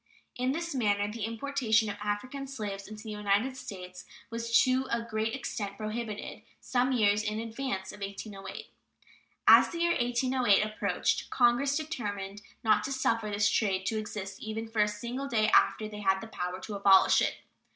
In this manner the importation of African slaves into the United States was to a great extent prohibited some years in advance of 1808. As the year 1808 approached Congress determined not to suffer this trade to exist even for a single day after they had the power to abolish it.